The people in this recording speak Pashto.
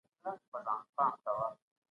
ذهني بدلون فرد ته وده ورکوي.